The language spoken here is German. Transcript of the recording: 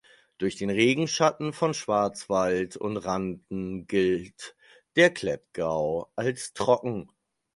Durch den Regenschatten von Schwarzwald und Randen gilt der Klettgau als trocken.